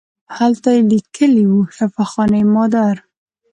هلته یې لیکلي وو شفاخانه مادر.